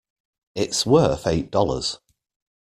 It's worth eight dollars.